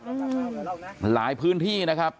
หูมหรือแหลกเลยเลยนะหลายพื้นที่นะครับ